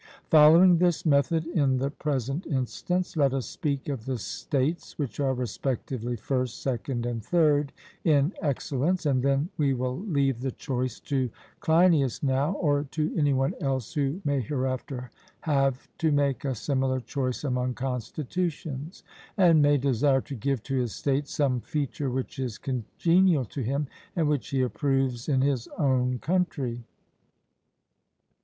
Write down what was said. Following this method in the present instance, let us speak of the states which are respectively first, second, and third in excellence, and then we will leave the choice to Cleinias now, or to any one else who may hereafter have to make a similar choice among constitutions, and may desire to give to his state some feature which is congenial to him and which he approves in his own country.